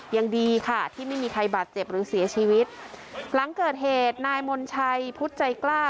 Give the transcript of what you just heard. ยังดีค่ะที่ไม่มีใครบาดเจ็บหรือเสียชีวิตหลังเกิดเหตุนายมนชัยพุทธใจกล้า